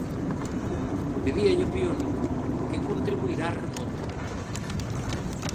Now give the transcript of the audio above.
Pedíalle a Pione que contribuira á remonta.